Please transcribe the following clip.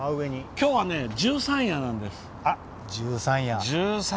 今日は十三夜なんですよ。